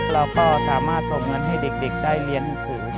เราก็สามารถตรงเงินให้เด็กได้เรียนภูมิศูนย์